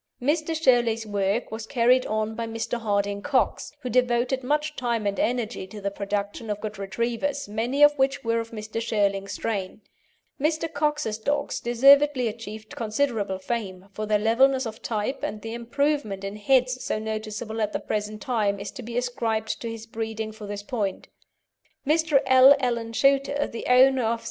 WORSLEY BESS From the Painting by Maud Earl] Mr. Shirley's work was carried on by Mr. Harding Cox, who devoted much time and energy to the production of good Retrievers, many of which were of Mr. Shirley's strain. Mr. Cox's dogs deservedly achieved considerable fame for their levelness of type, and the improvement in heads so noticeable at the present time is to be ascribed to his breeding for this point. Mr. L. Allen Shuter, the owner of Ch.